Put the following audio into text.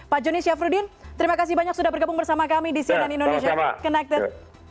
pak joni syafruddin terima kasih banyak sudah bergabung bersama kami di cnn indonesia connected